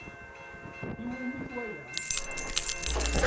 I wumi-t waya?